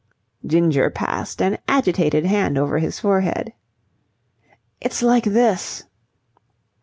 Ginger passed an agitated hand over his forehead. "It's like this..."